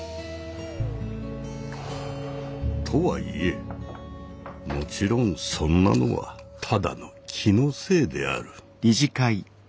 とはいえもちろんそんなのはただの気のせいである。